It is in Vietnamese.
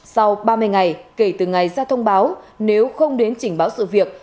sau ba mươi ngày kể từ ngày ra thông báo nếu không đến trình báo sự việc